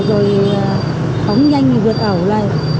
rồi phóng nhanh như vượt ẩu này